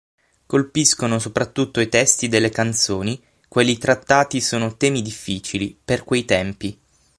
Colpiscono soprattutto i testi delle canzoni: quelli trattati sono temi "difficili" per quei tempi.